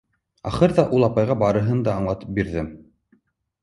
Ахырҙа, ул апайға барыһын да аңлатым бирҙем.